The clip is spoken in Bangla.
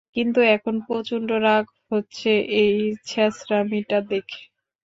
কিন্তু এখন প্রচন্ড রাগ হচ্ছে এই ছ্যাচরামি টা দেখে!